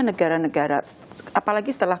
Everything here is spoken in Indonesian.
negara negara apalagi setelah